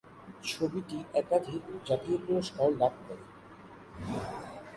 ছবিটি একাধিক জাতীয় পুরস্কার লাভ করে।